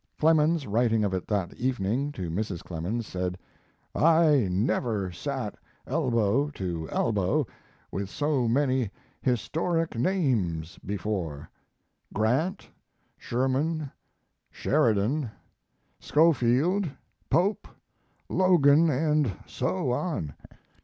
Clemens, writing of it that evening to Mrs. Clemens, said: I never sat elbow to elbow with so many historic names before. Grant, Sherman, Sheridan, Schofield, Pope, Logan, and so on.